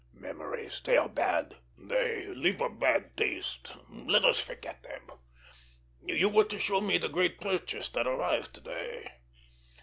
Memories! They are bad! They leave a bad taste! Let us forget them! You were to show me the great purchase that arrived to day."